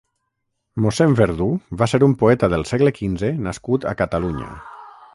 mossèn Verdú va ser un poeta del segle quinze nascut a Catalunya.